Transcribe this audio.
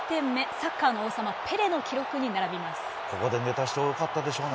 サッカーの王様ペレの記録に並びます。